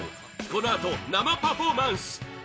このあと、生パフォーマンス！